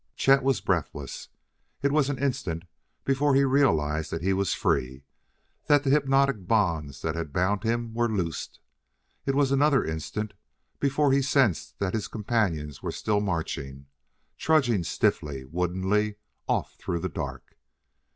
Chet was breathless; it was an instant before he realized that he was free, that the hypnotic bonds that had bound him were loosed. It was another instant before he sensed that his companions were still marching trudging stiffly, woodenly off through the dark.